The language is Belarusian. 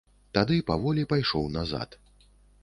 Тады паволі пайшоў назад.